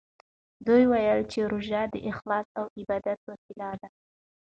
ده وویل چې روژه د اخلاص او عبادت وسیله ده.